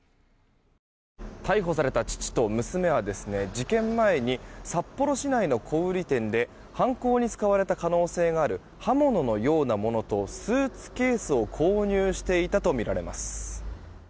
逮捕された父と娘は事件前に、札幌市内の小売店で犯行に使われた可能性がある刃物のようなものとスーツケースを購入していたとみられます。